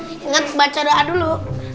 ingat baca doa dulu